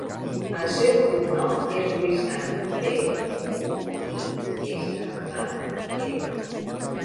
El seu cognom és Buisan: be, u, i, essa, a, ena.